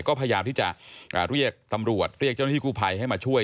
ก็พยายามที่จะเรียกตำรวจเรียกเจ้าหน้าที่กู้ภัยให้มาช่วย